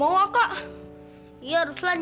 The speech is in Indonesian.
sekarang sekarang tristan udah sembuh kita harus nangis